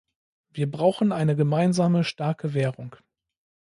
Wir brauchen eine gemeinsame starke Währung.